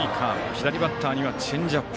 左バッターにはチェンジアップ。